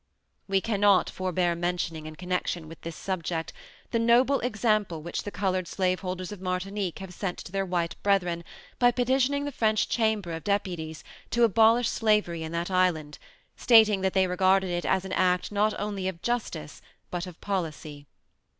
We cannot forbear mentioning in connection with this subject the noble example which the colored slaveholders of Martinique have set to their white brethren by petitioning the French Chamber of Deputies to abolish slavery in that island, stating that they regarded it as an act not only of justice but of policy.